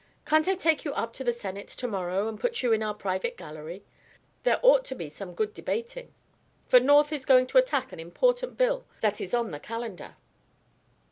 Can't I take you up to the Senate to morrow and put you in our private gallery? There ought to be some good debating, for North is going to attack an important bill that is on the calendar."